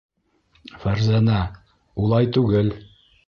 Фәрзәнә, улай түгел!